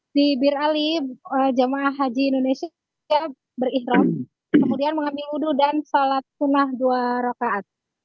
di bir ali jemaah haji indonesia berikhram kemudian mengambil wudhu dan sholat sunnah dua rokaat